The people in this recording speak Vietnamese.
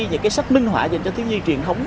những cái sách minh họa dành cho thiếu nhi truyền thống